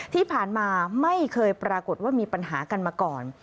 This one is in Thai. ที่ผ่านมาไม่เคยปรากฏว่ามีปัญหากันมาก่อน